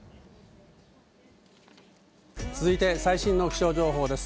続いて最新の気象情報です。